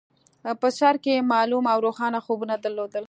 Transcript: په سر کې يې معلوم او روښانه خوبونه درلودل.